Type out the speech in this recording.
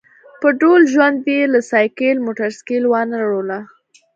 په ټول ژوند یې له سایکل موټرسایکل وانه ړوله.